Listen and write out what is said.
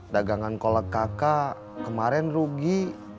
dagangan kolek kakak kemaren rugi